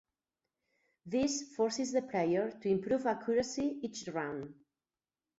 This forces the player to improve accuracy each round.